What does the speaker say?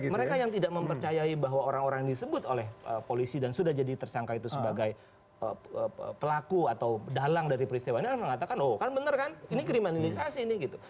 mereka yang tidak mempercayai bahwa orang orang yang disebut oleh polisi dan sudah jadi tersangka itu sebagai pelaku atau dalang dari peristiwa ini adalah mengatakan oh kan bener kan ini kriminalisasi nih gitu